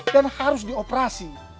dan harus dioperasi